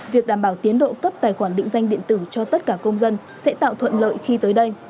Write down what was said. việc đảm bảo tiến độ cấp tài khoản định danh điện tử cho tất cả công dân sẽ tạo thuận lợi khi tới đây